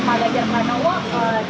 pak lajar pak nowo dari bukit baguat sendiri